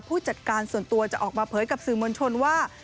ผู้จัดการส่วนตัวจะออกมาเผยกับสื่อมวลชนว่า